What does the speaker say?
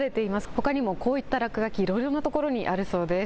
ほかにもこういった落書きいろいろなところにあるそうです。